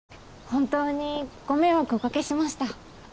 本当にご迷惑をおかけしました。